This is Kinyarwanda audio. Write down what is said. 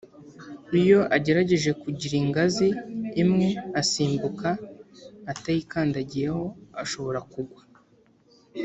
iyo agerageje kugira ingazi imwe asimbuka atayikandagiyeho ashobora kugwa